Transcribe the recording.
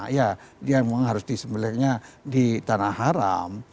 ya dia memang harus di sembeliknya di tanah haram